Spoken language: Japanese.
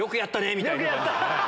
みたいな。